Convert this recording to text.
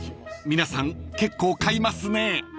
［皆さん結構買いますね］